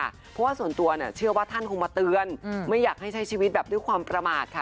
เพราะว่าส่วนตัวเนี่ยเชื่อว่าท่านคงมาเตือนไม่อยากให้ใช้ชีวิตแบบด้วยความประมาทค่ะ